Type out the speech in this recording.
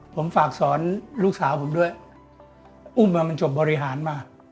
ผมฝากสอนลูกสาวผมด้วยอุ้มมันจบบริหารมา